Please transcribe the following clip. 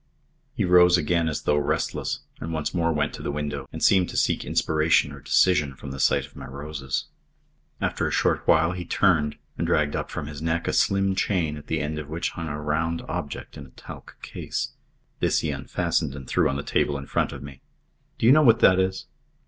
He rose again as though restless, and once more went to the window and seemed to seek inspiration or decision from the sight of my roses. After a short while he turned and dragged up from his neck a slim chain at the end of which hung a round object in a talc case. This he unfastened and threw on the table in front of me. "Do you know what that is?"